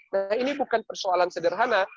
nah ini bukan persoalan sederhana